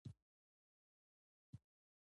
چـې نـوره ګـټـه وكړي.